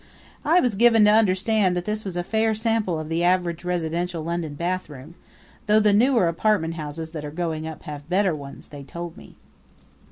I was given to understand that this was a fair sample of the average residential London bathroom though the newer apartment houses that are going up have better ones, they told me.